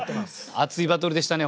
熱いバトルでしたね